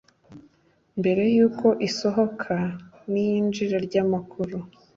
mbere y uko isohoka n iyinjira ry amakuru